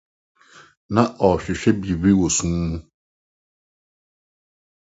Ná ɔrehwehwɛ biribi wɔ sum mu.